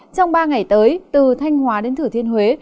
trong ba ngày tới từ thanh hóa đến thử thiên huế